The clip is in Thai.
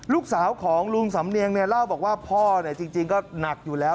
ลูกสาวของลุงสำเนียงเนี่ยเล่าบอกว่าพ่อจริงก็หนักอยู่แล้ว